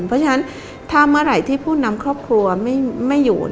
เพราะฉะนั้นถ้าเมื่อไหร่ที่ผู้นำครอบครัวไม่อยู่